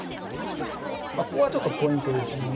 ここはちょっとポイントです